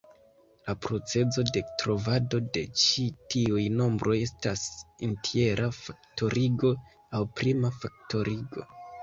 La procezo de trovado de ĉi tiuj nombroj estas entjera faktorigo, aŭ prima faktorigo.